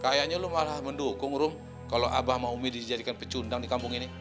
kayaknya lu malah mendukung rom kalo abah sama umi dijadikan pecundang di kampung ini